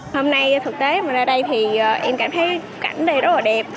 hôm nay thực tế mình ra đây thì em cảm thấy cảnh đây rất là đẹp